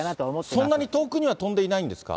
そんなに遠くには飛んでないんですか？